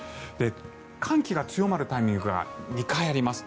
寒気が強まるタイミングが２回あります。